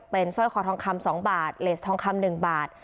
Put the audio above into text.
เป็นซ่อยคอทองคำสองบาทเลสทองคำหนึ่งบาท